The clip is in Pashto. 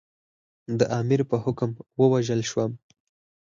د امیر په حکم ووژل شوم.